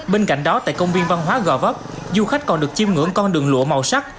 bên cạnh đó tại công viên văn hóa gò vấp du khách còn được chiêm ngưỡng con đường lụa màu sắc